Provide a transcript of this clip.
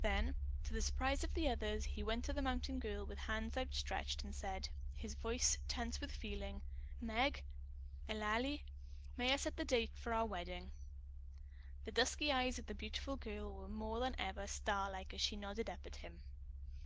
Then to the surprise of the others, he went to the mountain girl with hands outstretched, and said, his voice tense with feeling: "Meg Eulalie may I set the day for our wedding?" The dusky eyes of the beautiful girl were more than ever starlike as she nodded up at him.